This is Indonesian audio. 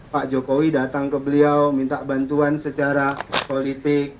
pak jokowi datang ke beliau minta bantuan secara politik